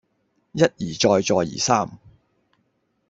一而再再而三